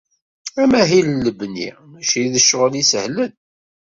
Amahil n lebni mačči d ccɣel isehlen.